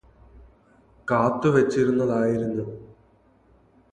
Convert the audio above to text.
കാത്തുവച്ചിരുന്നതായിരുന്നു